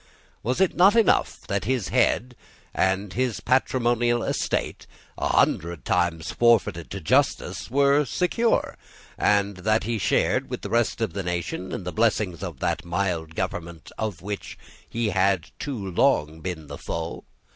Was it not enough that his head and his patrimonial estate, a hundred times forfeited to justice, were secure, and that he shared, with the rest of the nation, in the blessings of that mild government of which he had long been the foe?